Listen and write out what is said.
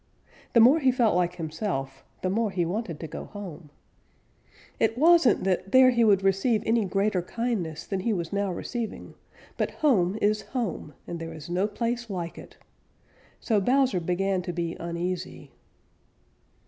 The more he felt like himself, the more he wanted to go home. It wasn't that there he would receive any greater kindness than he was now receiving, but home is home and there is no place like it. So Bowser began to be uneasy.